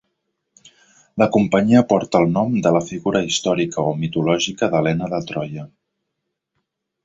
La companyia porta el nom de la figura històrica o mitològica d'Helena de Troia.